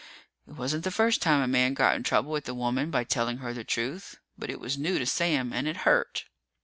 It wasn't the first time a man got in trouble with a woman by telling her the truth, but it was new to Sam and it hurt.